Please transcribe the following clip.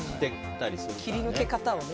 切り抜け方をね。